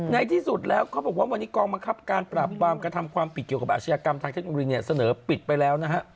ในที่สุดแล้วเขาบอกว่าวันนี้กองบังคับการปราบปรามกระทำความผิดเกี่ยวกับอาชญากรรมทางเทคโนโลยีเนี่ยเสนอปิดไปแล้วนะฮะ